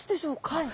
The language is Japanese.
はい。